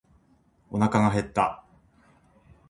おなかが減った。